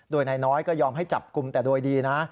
โดยนายน้อยก็ยอมให้จับกลุ่มแต่โดยดีนะ